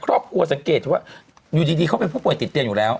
ครอบครัวสังเกตว่าอยู่ดีเขาเป็นผู้ป่วยติดเตียงอยู่แล้ว